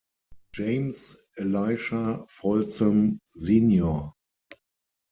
James Elisha Folsom Sr.